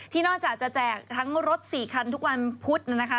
นอกจากจะแจกทั้งรถ๔คันทุกวันพุธนะคะ